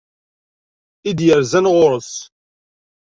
I d-yerzan ɣur-s.